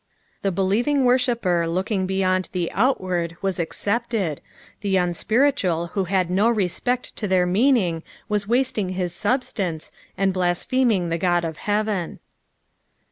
The believing worshipper looking beyond the outward was accepted, the unsptritual who hiid no respect to their meaning was wasting hia substance, and blaspheming the God of heaven.